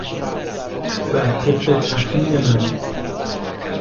بر طبق تخمین من